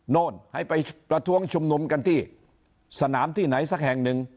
โน่นให้ไปประท้วงชุมนุมกันที่สนามที่ไหนสักแห่งหนึ่ง